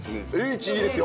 Ｈ、いいですよ。